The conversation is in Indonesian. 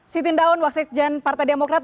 siti ndaun wak sijen partai demokrat